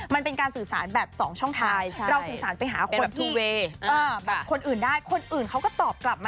มันเป็นการสื่อสารแบบ๒ช่องทาง